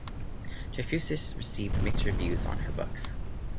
Trefusis received mixed reviews on her books.